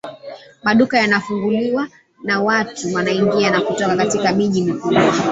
maduka yanafunguliwa na watu wanaingia na kutoka katika miji mikubwa